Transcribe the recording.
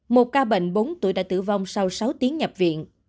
một ca bệnh bốn tuổi đã tử vong sau sáu tiếng nhập viện